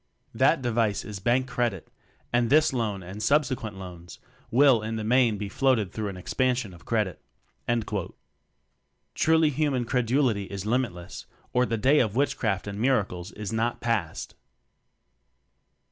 That device is bank credit, and this loan and subsequent loans will in the main be floated through an expan Ision of credit." Truly human credulity is limitless or the day of witchcraft and miracles is not past!